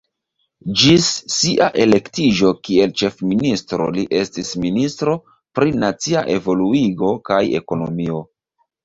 Ĝis sia elektiĝo kiel ĉefministro li estis ministro pri nacia evoluigo kaj ekonomio.